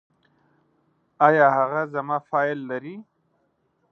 ایا هغه زما فایل لري؟